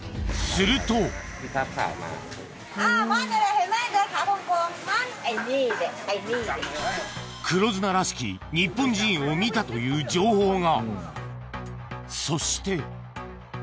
今黒ズナらしき日本人を見たという情報が！